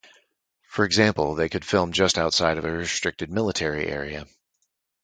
For example, they could film just outside of a restricted military area.